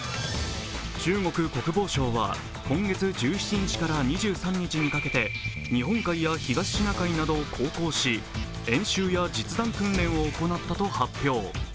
中国国防省は、今月１７日から２３日にかけて日本海や東シナ海などを航行し、演習や実弾訓練を行ったと発表。